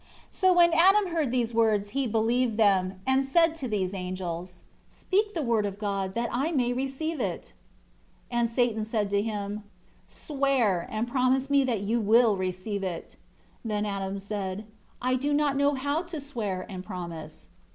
11 So when Adam heard these words he believed them, and said to these angels, "Speak the Word of God, that I may receive it." 12 And Satan said to him, "Swear, and promise me that you will receive it." 13 Then Adam said, "I do not know how to swear and promise."